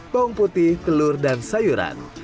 bawang putih telur dan sayuran